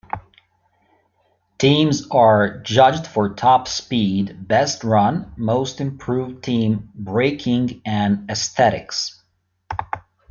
Teams are judged for top speed, best run, most improved team, braking, and aesthetics.